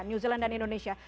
new zealand dan indonesia